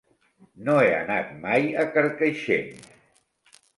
No he anat mai a Carcaixent.